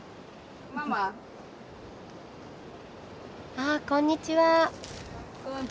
あっこんにちは。